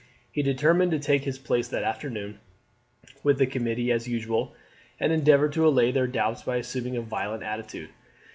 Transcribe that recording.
He determined to take his place that afternoon with the committee as usual, and endeavour to allay their doubts by assuming a violent attitude.